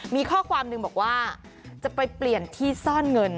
มีข้อความหนึ่งบอกว่าจะไปเปลี่ยนที่ซ่อนเงิน